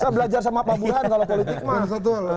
saya belajar sama pak burhan kalau politik mas